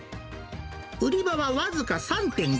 売り場は僅か３．５坪。